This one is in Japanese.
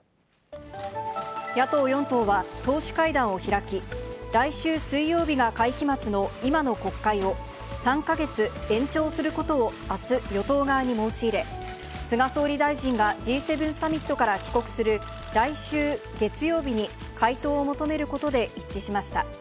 野党４党は、党首会談を開き、来週水曜日が会期末の今の国会を、３か月延長することをあす、与党側に申し入れ、菅総理大臣がＧ７サミットから帰国する来週月曜日に、回答を求めることで一致しました。